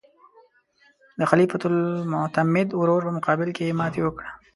د خلیفه المعتمد ورور په مقابل کې یې ماته وکړه.